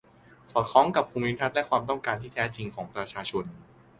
สอดคล้องกับภูมิทัศน์ และความต้องการที่แท้จริงของประชาชน